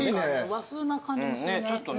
和風な感じもするね。